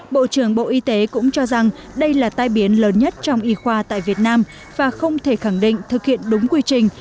bộ trưởng bộ y tế cũng cho rằng đây là tai biến lớn nhất trong y khoa tại việt nam và không thể khẳng định thực hiện đúng quy trình